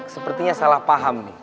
sepertinya salah paham